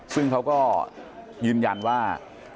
ซึ่งเขาก็ยืนยันว่า